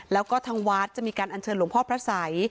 แล้วก็ทางวัดจะมีการอัญเชิญหลวงพ่อพระสัย